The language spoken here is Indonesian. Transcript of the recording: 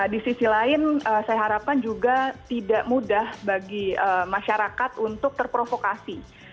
di sisi lain saya harapkan juga tidak mudah bagi masyarakat untuk terprovokasi